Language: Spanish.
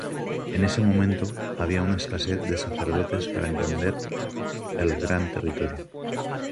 En ese momento, había una escasez de sacerdotes para atender al gran territorio.